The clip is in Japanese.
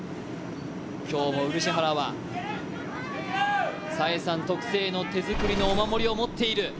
今日も漆原は紗笑さん特製のお守りを持っている。